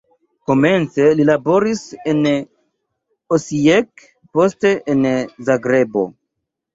Komence li laboris en Osijek, poste en Zagrebo.